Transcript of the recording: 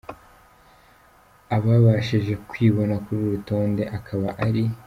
Ababashije kwibona kuri uru rutonde akaba ari:.